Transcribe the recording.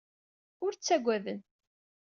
Ur ttagaden.